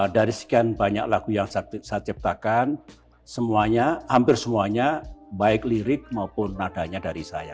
dari sekian banyak lagu yang saya ciptakan semuanya hampir semuanya baik lirik maupun nadanya dari saya